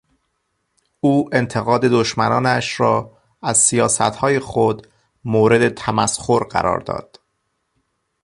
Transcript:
او انتقاد دشمنانش را از سیاستهای خود مورد تمسخر قرار داد.